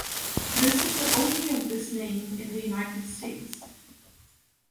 This is the only of this name in the United States.